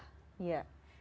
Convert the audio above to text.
jika benar pun jadi gibah